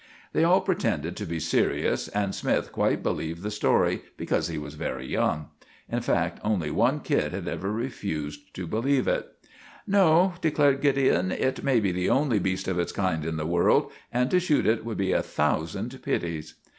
They all pretended to be serious, and Smythe quite believed the story, because he was very young. In fact, only one kid had ever refused to believe it. "No," declared Gideon; "it may be the only beast of its kind in the world, and to shoot it would be a thousand pities."